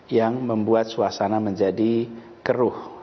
yang membuat suasana menjadi keruh